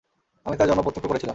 আমি তার জন্ম প্রত্যক্ষ করেছিলাম!